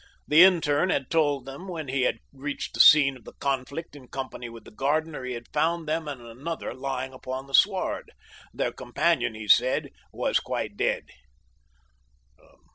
The interne had told them that when he had reached the scene of the conflict in company with the gardener he had found them and another lying upon the sward. Their companion, he said, was quite dead.